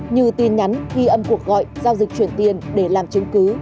như tin nhắn ghi âm cuộc gọi giao dịch chuyển tiền để làm chứng cứ